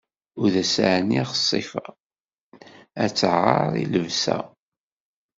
Ur d as-ɛniɣ ssifa, ad taɛer i lebsa.